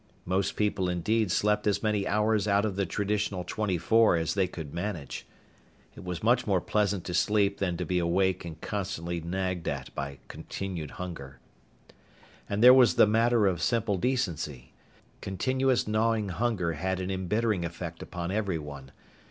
Most people, indeed, slept as many hours out of the traditional twenty four as they could manage. It was much more pleasant to sleep than to be awake and constantly nagged at by continued hunger. And there was the matter of simple decency. Continuous gnawing hunger had an embittering effect upon everyone.